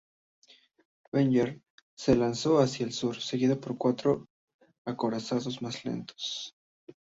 Badger se lanzó hacia el sur, seguido por cuatro acorazados más lentos.